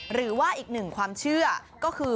หรือว่าอีกหนึ่งความเชื่อ